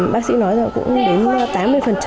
bác sĩ nói là cũng đến tám mươi